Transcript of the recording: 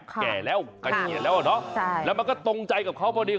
แก่แล้วก็เมียแล้วอ่ะเนอะแล้วมันก็ตรงใจกับเขาพอดี